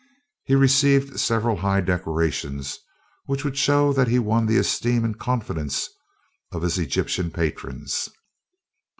He received several high decorations, which would show that he won the esteem and confidence of his Egyptian patrons.